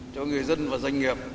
cho người dân và doanh nghiệp